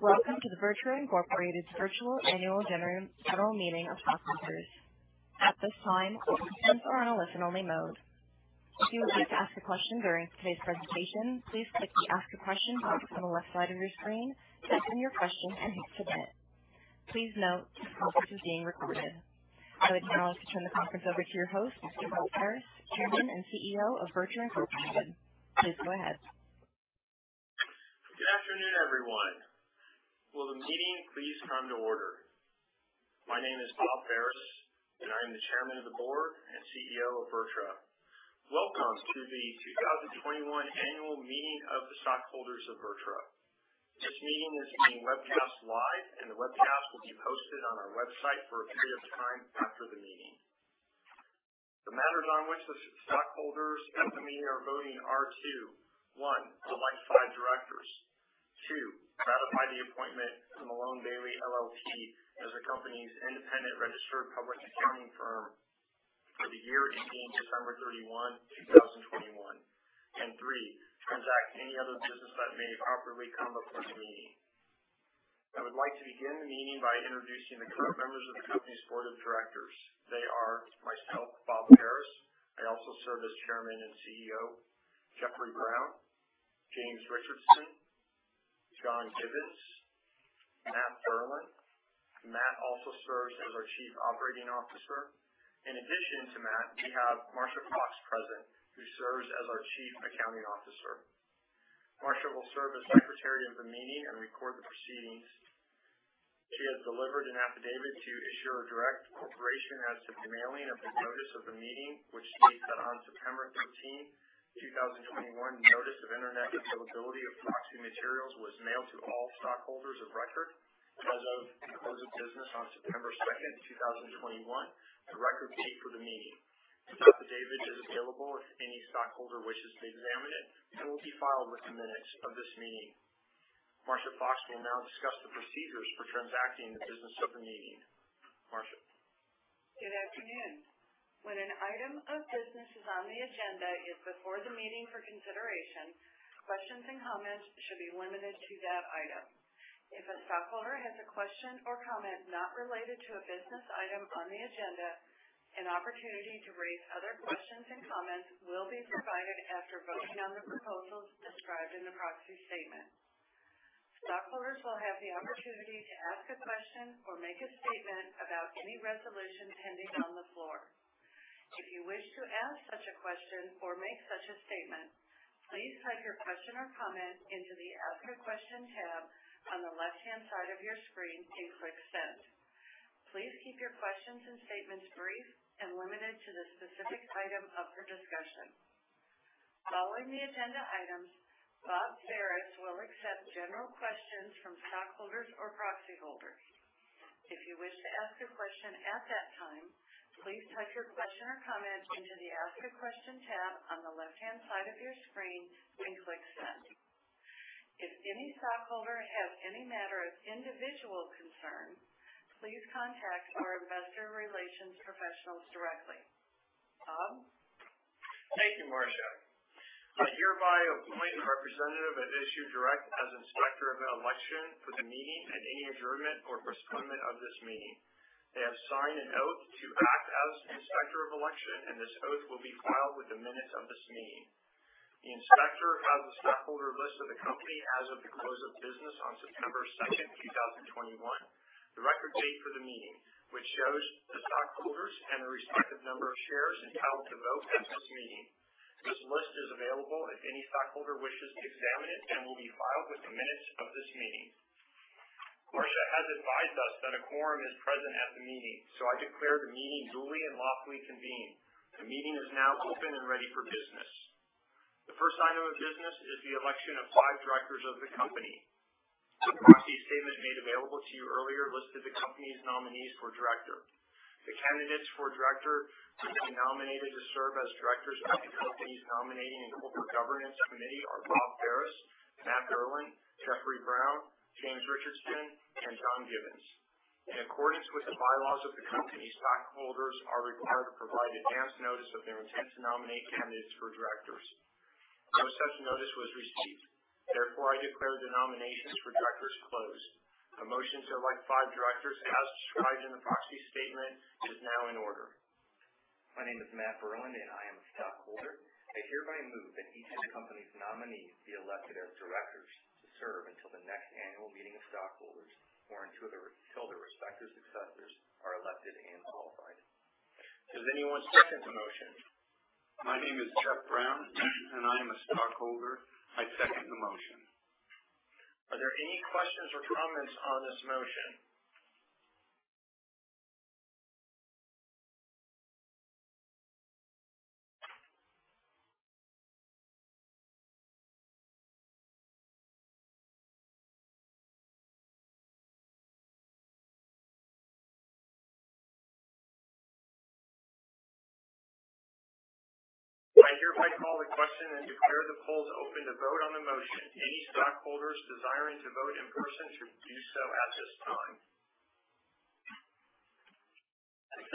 Thanks. Welcome to the VirTra, Inc. Virtual Annual General Meeting of Stockholders. At this time, all participants are on a listen-only mode. If you would like to ask a question during today's presentation, please click the Ask a Question box on the left side of your screen, type in your question, and hit Submit. Please note, this conference is being recorded. I would now like to turn the conference over to your host, Mr. Bob Ferris, Chairman and CEO of VirTra, Inc. Please go ahead. Good afternoon, everyone. Will the meeting please come to order? My name is Bob Ferris, and I am the Chairman of the Board and CEO of VirTra. Welcome to the 2021 Annual Meeting of the Stockholders of VirTra. This meeting is being webcast live, and the webcast will be posted on our website for a period of time after the meeting. The matters on which the stockholders at the meeting are voting are two. One, to elect five directors. Two, ratify the appointment of MaloneBailey LLP as the company's Independent Registered Public Accounting Firm for the year ending December 31, 2021. Three, transact any other business that may properly come before the meeting. I would like to begin the meeting by introducing the current members of the company's board of directors. They are myself, Bob Ferris, I also serve as Chairman and CEO. Jeffrey Brown, James Richardson, John Givens, Matt Burlend. Matt also serves as our Chief Operating Officer. In addition to Matt, we have Marsha J. Foxx present, who serves as our Chief Accounting Officer. Marsha will serve as secretary of the meeting and record the proceedings. She has delivered an affidavit to Issuer Direct Corporation as to the mailing of the notice of the meeting, which states that on September 13, 2021, notice of Internet availability of proxy materials was mailed to all stockholders of record as of the close of business on September 2nd, 2021, the record date for the meeting. This affidavit is available if any stockholder wishes to examine it and will be filed with the minutes of this meeting. Marsha J. Foxx will now discuss the procedures for transacting the business of the meeting. Marsha. Good afternoon. When an item of business is on the agenda is before the meeting for consideration, questions and comments should be limited to that item. If a stockholder has a question or comment not related to a business item on the agenda, an opportunity to raise other questions and comments will be provided after voting on the proposals described in the Proxy Statement. Stockholders will have the opportunity to ask a question or make a statement about any resolution pending on the floor. If you wish to ask such a question or make such a statement, please type your question or comment into the Ask a Question tab on the left-hand side of your screen and click Send. Please keep your questions and statements brief and limited to the specific item up for discussion. Following the agenda items, Bob Ferris will accept general questions from stockholders or proxy holders. If you wish to ask a question at that time, please type your question or comment into the Ask a Question tab on the left-hand side of your screen and click Send. If any stockholder has any matter of individual concern, please contact our investor relations professionals directly. Bob. Thank you, Marsha. I hereby appoint a representative at Issuer Direct as Inspector of Election for the meeting and any adjournment or postponement of this meeting. They have signed an oath to act as Inspector of Election, and this oath will be filed with the minutes of this meeting. The inspector has a stockholder list of the company as of the close of business on September 2nd, 2021, the record date for the meeting, which shows the stockholders and the respective number of shares entitled to vote at this meeting. This list is available if any stockholder wishes to examine it and will be filed with the minutes of this meeting. Marsha has advised us that a quorum is present at the meeting. I declare the meeting duly and lawfully convened. The meeting is now open and ready for business. The first item of business is the election of five directors of the company. The proxy statement made available to you earlier listed the company's nominees for director. The candidates for director who have been nominated to serve as directors by the company's Nominating and Corporate Governance Committee are Bob Ferris, Matt Burlend, Jeffrey Brown, James Richardson, and John Givens. In accordance with the bylaws of the company, stockholders are required to provide advance notice of their intent to nominate candidates for directors. No such notice was received. I declare the nominations for directors closed. A motion to elect five directors as described in the Proxy Statement is now in order. My name is Matt Burlend, and I am a stockholder. I hereby move that each of the company's nominees be elected as directors to I hereby call the question and declare the polls open to vote on the motion. Any stockholders desiring to vote in person should do so at this time. The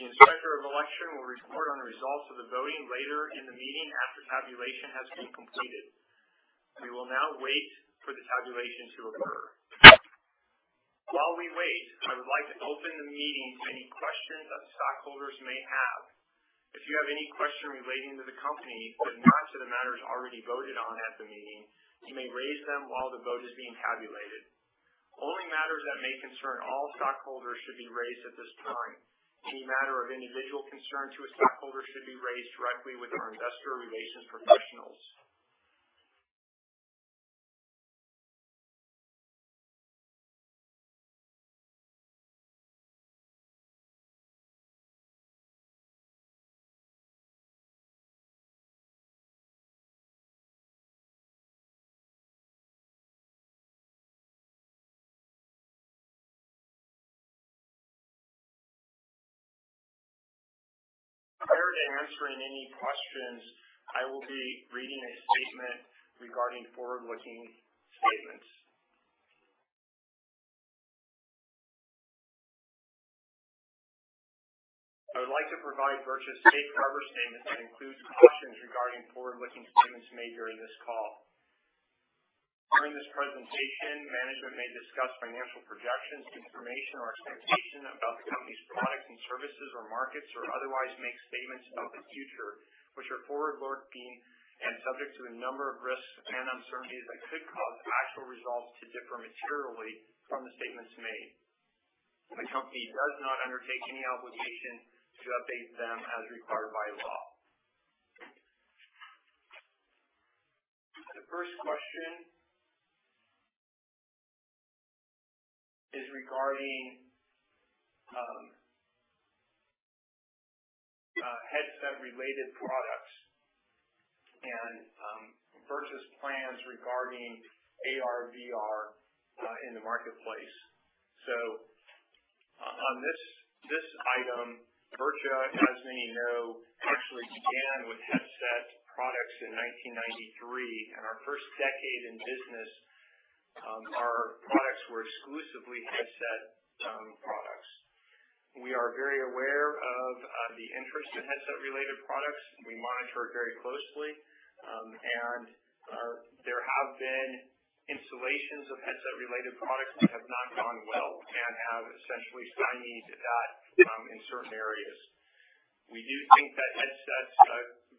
Inspector of Election will report on the results of the voting later in the meeting after tabulation has been completed. We will now wait for the tabulation to occur. While we wait, I would like to open the meeting to any questions that the stockholders may have. If you have any question relating to the company that's not to the matters already voted on at the meeting, you may raise them while the vote is being tabulated. Only matters that may concern all stockholders should be raised at this time. Any matter of individual concern to a stockholder should be raised directly with our investor relations professionals. Prior to answering any questions, I will be reading a statement regarding forward-looking statements. I would like to provide VirTra's safe harbor statement that includes cautions regarding forward-looking statements made during this call. During this presentation, management may discuss financial projections, information, or expectation about the company's products and services or markets, or otherwise make statements about the future, which are forward-looking and subject to a number of risks and uncertainties that could cause actual results to differ materially from the statements made. The company does not undertake any obligation to update them as required by law. The first question is regarding headset-related products and VirTra's plans regarding AR/VR in the marketplace. On this item, VirTra, as many know, actually began with headset products in 1993. In our first decade in business, our products were exclusively headset products. We are very aware of the interest in headset-related products. We monitor it very closely. There have been installations of headset-related products that have not gone well and have essentially stymied that in certain areas. We do think that headsets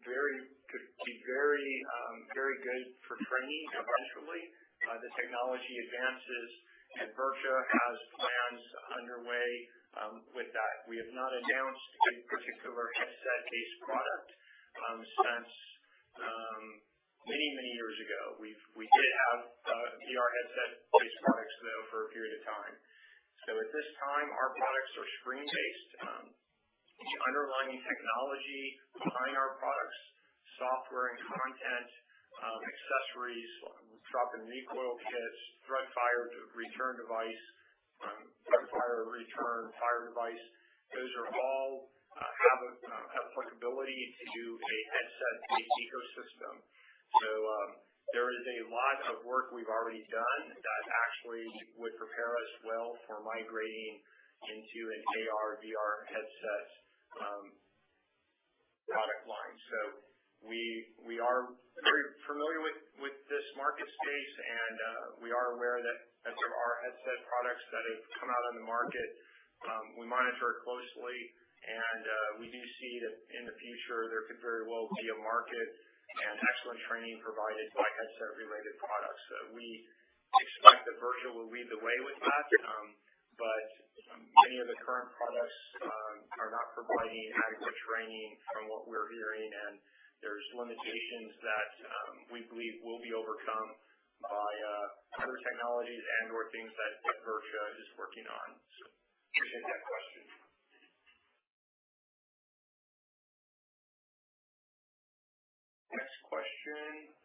could be very good for training eventually. The technology advances, and VirTra has plans underway with that. We have not announced a particular headset-based product since many years ago. We did have VR headset-based products, though, for a period of time. At this time, our products are screen-based. The underlying technology behind our products, software and content, accessories, drop-in recoil kits, Threat-Fire return fire device, those all have applicability to a headset-based ecosystem. There is a lot of work we've already done that actually would prepare us well for migrating into an AR/VR headset product line. We are very familiar with this market space, and we are aware that as there are headset products that have come out on the market, we monitor it closely and we do see that in the future there could very well be a market and excellent training provided by headset-related products. We expect that VirTra will lead the way with that, but many of the current products are not providing adequate training from what we're hearing, and there's limitations that we believe will be overcome by other technologies and/or things that VirTra is working on. I appreciate that question. Next question.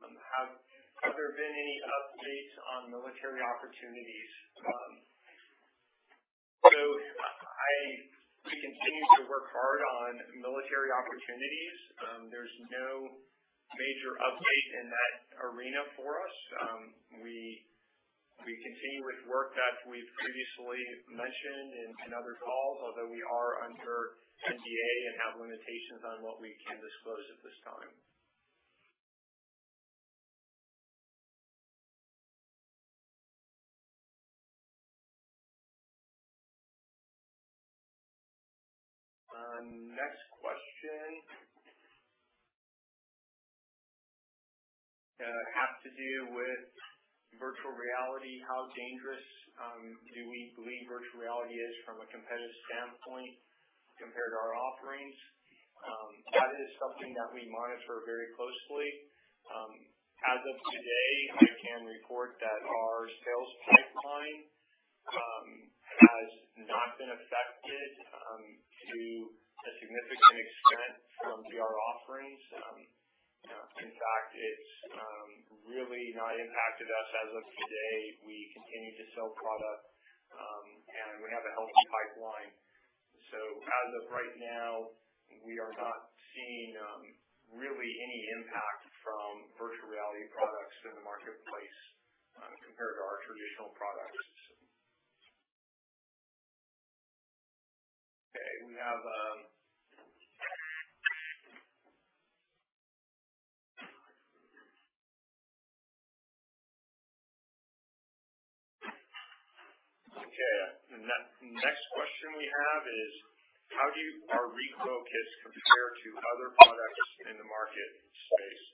Have there been any updates on military opportunities? We continue to work hard on military opportunities. There's no major update in that arena for us. We continue with work that we've previously mentioned in other calls, although we are under NDA and have limitations on what we can disclose at this time. Next question has to do with virtual reality. How dangerous do we believe virtual reality is from a competitive standpoint compared to our offerings? That is something that we monitor very closely. As of today, I can report that our sales pipeline has not been affected to a significant extent from VR offerings. In fact, it's really not impacted us as of today. We continue to sell product, we have a healthy pipeline. As of right now, we are not seeing really any impact from virtual reality products in the marketplace, compared to our traditional products. Okay. The next question we have is, how are recoil kits compared to other products in the market space?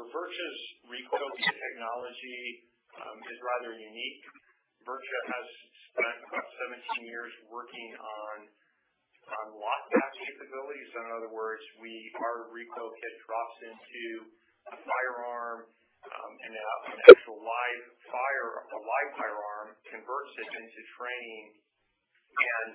VirTra's recoil kit technology is rather unique. VirTra has spent about 17 years working on lock back capabilities. In other words, our recoil kit drops into a firearm, and an actual live firearm converts it into training and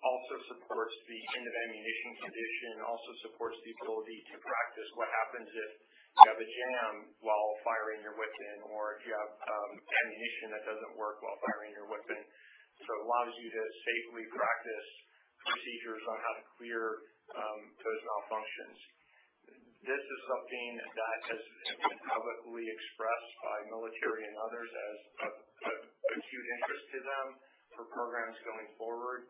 also supports the end of ammunition condition. It also supports the ability to practice what happens if you have a jam while firing your weapon, or if you have ammunition that doesn't work while firing your weapon. It allows you to safely practice procedures on how to clear those malfunctions. This is something that has been publicly expressed by military and others as of acute interest to them for programs going forward.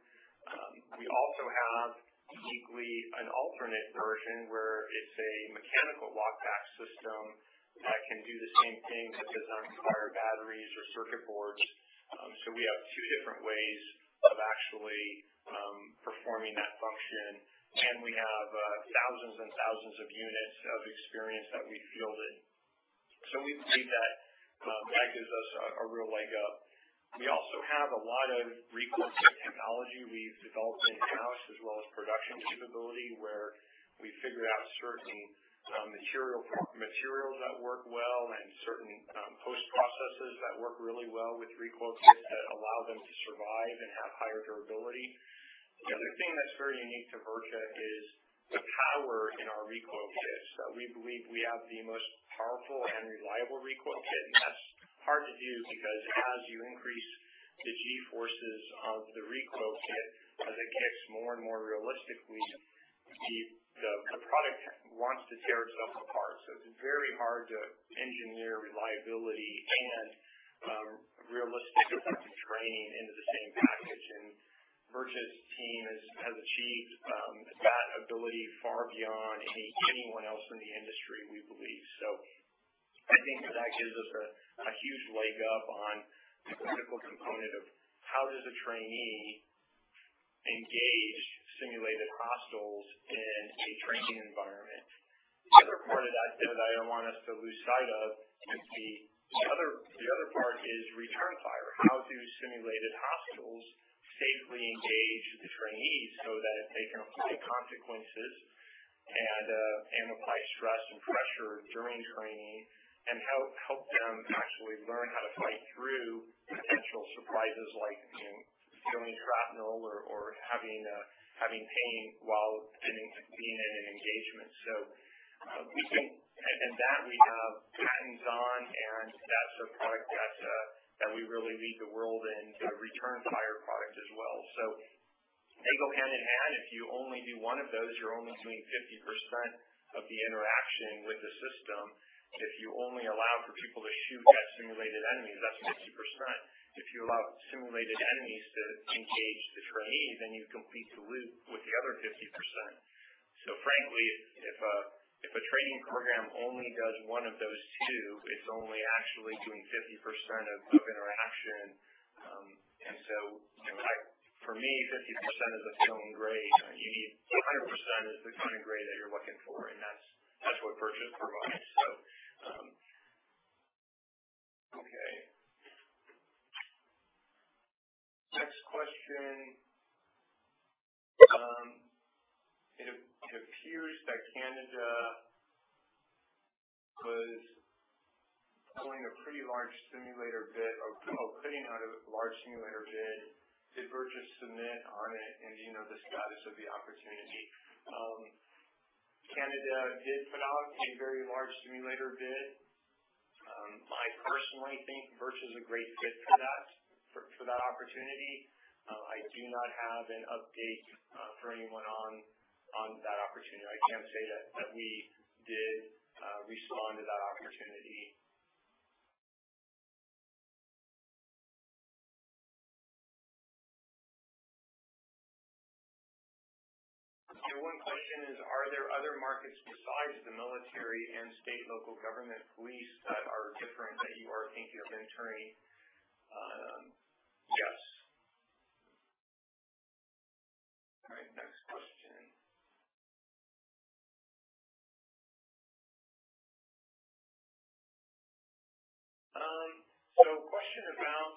We also have uniquely an alternate version, where it's a mechanical lock back system that can do the same thing, but does not require batteries or circuit boards. We have two different ways of actually performing that function, and we have thousands and thousands of units of experience that we've fielded. We believe that gives us a real leg up. We also have a lot of recoil kit technology we've developed in-house as well as production capability, where we figured out certain materials that work well and certain post-processes that work really well with recoil kits that allow them to survive and have higher durability. The other thing that's very unique to VirTra is the power in our recoil kits. We believe we have the most powerful and reliable recoil kit, that's hard to do because as you increase the G-forces of the recoil kit, as it kicks more and more realistically, the product wants to tear itself apart. It's very hard to engineer reliability and realistic effective training into the same package. VirTra's team has achieved that ability far beyond anyone else in the industry, we believe. I think that gives us a huge leg up on the critical component of how does a trainee engage simulated hostiles in a training environment. The other part of that I don't want us to lose sight of, is the return fire. How do simulated hostiles safely engage the trainees so that they can apply consequences and apply stress and pressure during training and help them actually learn how to fight through potential surprises like feeling shrapnel or having pain while being in an engagement. We think, and that we have patents on, and that's a product that we really lead the world in, the return fire product as well. They go hand in hand. If you only do one of those, you're only doing 50% of the interaction with the system. If you only allow for people to shoot at simulated enemies, that's 50%. If you allow simulated enemies to engage the trainee, you complete the loop with the other 50%. Frankly, if a training program only does one of those two, it's only actually doing 50% of interaction. In fact, for me, 50% is a failing grade. 100% is the kind of grade that you're looking for, and that's what VirTra provides. Okay. Next question. It appears that Canada was putting out a large simulator bid. Did VirTra submit on it, and do you know the status of the opportunity? Canada did put out a very large simulator bid. I personally think VirTra is a great fit for that opportunity. I do not have an update for anyone on that opportunity. I can say that we did respond to that opportunity. One question is, are there other markets besides the military and state local government police that are different that you are thinking of entering? Yes. All right, next question. Question about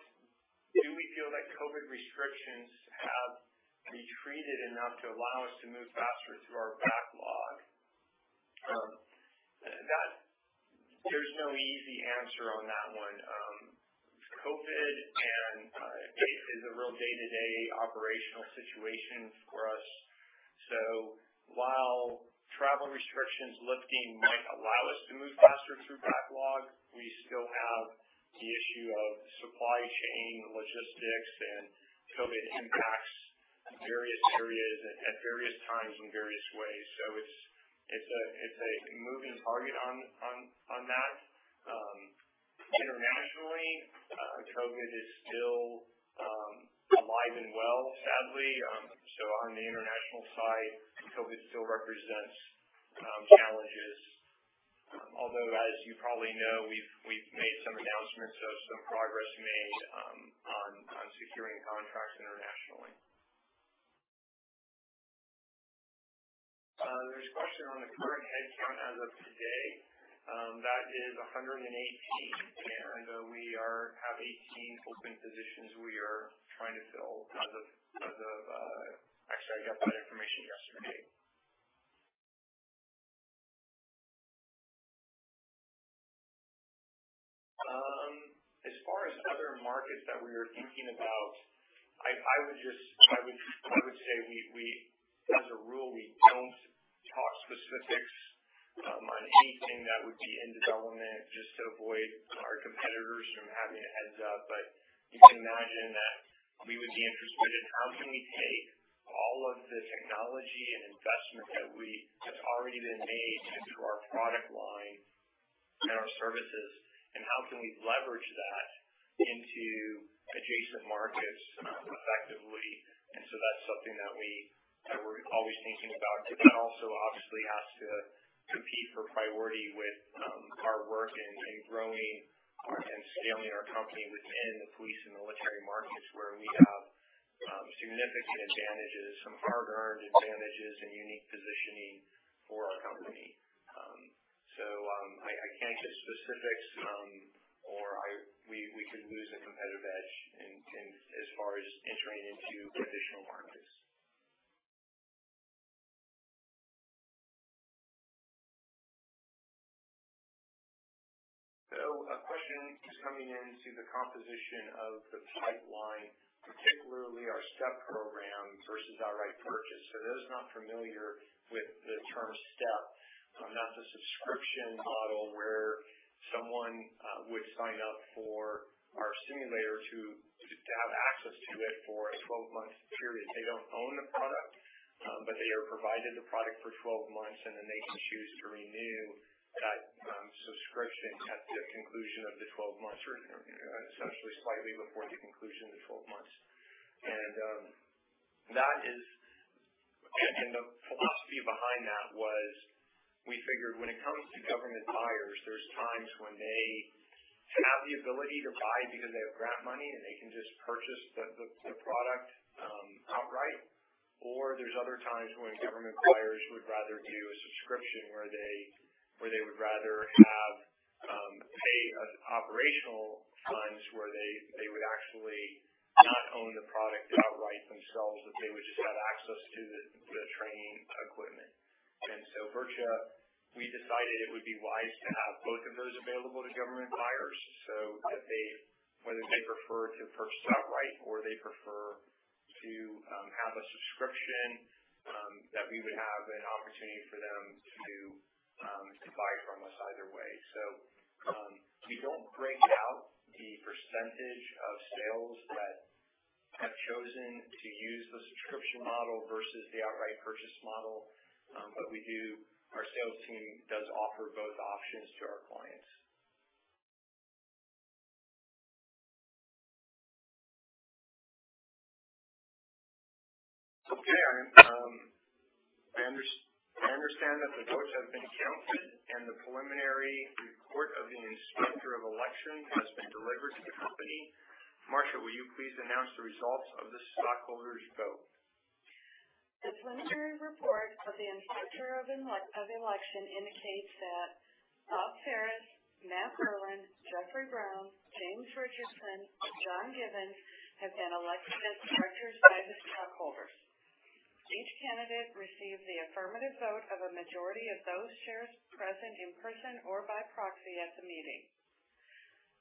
do we feel that COVID restrictions have retreated enough to allow us to move faster through our backlog? There's no easy answer on that one. COVID is a real day-to-day operational situation for us. While travel restrictions lifting might allow us to move faster through backlog, we still have the issue of supply chain logistics and COVID impacts in various areas at various times in various ways. It's a moving target on that. Internationally, COVID is still alive and well, sadly. On the international side, COVID still represents challenges. Although, as you probably know, we've made some announcements of some progress made on securing contracts internationally. There's a question on the current headcount as of today. That is 118, and we have 18 open positions we are trying to fill. Actually, I got that information yesterday. As far as other markets that we are thinking about, I would say, as a rule, we don't talk specifics on anything that would be in development just to avoid our competitors from having a heads-up. You can imagine that we would be interested in how can we take all of the technology and investment that's already been made into our product line and our services, and how can we leverage that into adjacent markets effectively. That's something that we're always thinking about. That also obviously has to compete for priority with our work in growing and scaling our company within the police and military markets, where we have significant advantages, some hard-earned advantages, and unique positioning for our company. I can't give specifics, or we could lose a competitive edge as far as entering into additional markets. A question is coming in to the composition of the pipeline, particularly our STEP program versus outright purchase. For those not familiar with the term STEP, that's a subscription model where someone would sign up for our simulator to have access to it for a 12-month period. They don't own the product. They are provided the product for 12 months, and then they can choose to renew that subscription at the conclusion of the 12 months, or essentially slightly before the conclusion of the 12 months. The philosophy behind that was we figured when it comes to government buyers, there's times when they have the ability to buy because they have grant money and they can just purchase the product outright, or there's other times when government buyers would rather do a subscription where they would rather pay operational funds where they would actually not own the product outright themselves, but they would just have access to the training equipment. VirTra, we decided it would be wise to have both of those available to government buyers so that whether they prefer to purchase outright or they prefer to have a subscription, that we would have an opportunity for them to buy from us either way. We don't break out the percentage of sales that have chosen to use the subscription model versus the outright purchase model. Our sales team does offer both options to our clients. Okay. I understand that the votes have been counted, and the preliminary report of the Inspector of Election has been delivered to the company. Marsha, will you please announce the results of this stockholders vote? The preliminary report of the Inspector of Election indicates that Bob Ferris, Matt Burlend, Jeffrey Brown, James Richardson, and John Givens have been elected as directors by the stockholders. Each candidate received the affirmative vote of a majority of those shares present in person or by proxy at the meeting.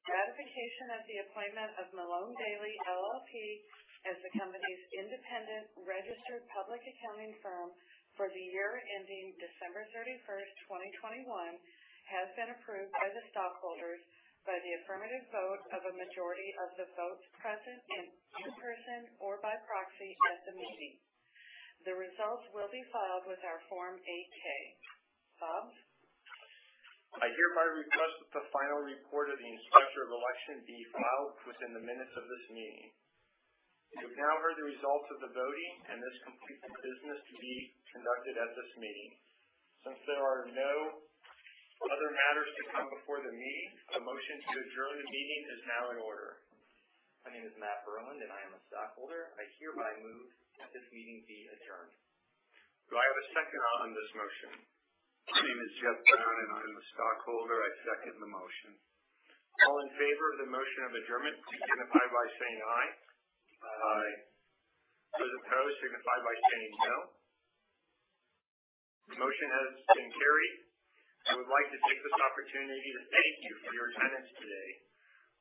Ratification of the appointment of MaloneBailey LLP as the company's independent registered public accounting firm for the year ending December 31st, 2021, has been approved by the stockholders by the affirmative vote of a majority of the votes present in person or by proxy at the meeting. The results will be filed with our Form 8-K. Bob? I hereby request that the final report of the Inspector of Election be filed within the minutes of this meeting. You have now heard the results of the voting, this completes the business to be conducted at this meeting. Since there are no other matters to come before the meeting, a motion to adjourn the meeting is now in order. My name is Matt Burlend, and I am a stockholder. I hereby move that this meeting be adjourned. Do I have a second on this motion? My name is Jeffrey Brown, and I am a stockholder. I second the motion. All in favor of the motion of adjournment, signify by saying aye. Aye. Those opposed, signify by saying no. The motion has been carried. I would like to take this opportunity to thank you for your attendance today.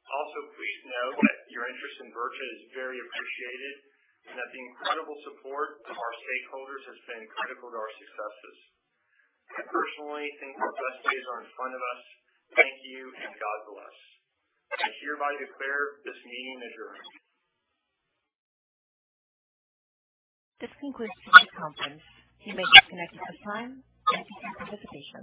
Also, please know that your interest in VirTra is very appreciated and that the incredible support of our stakeholders has been critical to our successes. I personally think our best days are in front of us. Thank you, and God bless. I hereby declare this meeting adjourned. This concludes today's conference. You may disconnect at this time. Thank you for your participation.